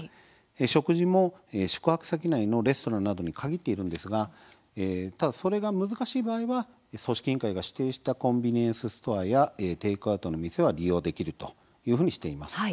食事も宿泊先内のレストランなどに限っていますがそれが難しい場合は組織委員会が指定したコンビニエンスストアやテイクアウトの店は利用できるとしています。